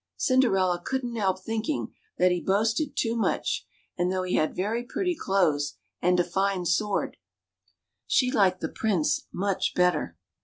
Cinderella couldn't help thinking that he boasted too much; and though he had very pretty clothes and a fine sword, she liked the Prince much better.